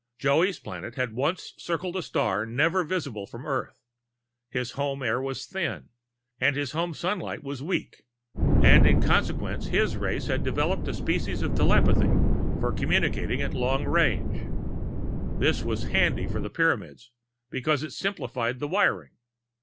Joey's planet had once circled a star never visible from Earth; his home air was thin and his home sunlight was weak, and in consequence his race had developed a species of telepathy for communicating at long range. This was handy for the Pyramids, because it simplified the wiring.